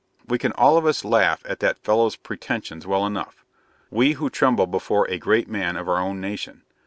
We can all of us laugh at THAT fellow's pretensions well enough we who tremble before a great man of our own nation.